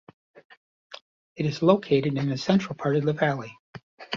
It is located in the central part of the Valley.